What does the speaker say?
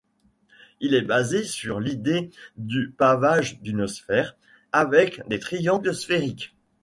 Elle est basée sur l'idée du pavage d'une sphère, avec des triangles sphériques.